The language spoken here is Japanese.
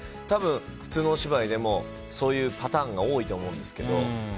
多分、普通のお芝居でもそういうパターンが多いと思うんですけど。